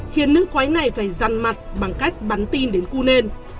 khiến nước quấy này phải răn mặt bằng cách bắn tin đến cunên